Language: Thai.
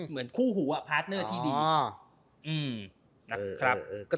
เหมือนคู่หูอะพาร์ทเนอร์ที่ดี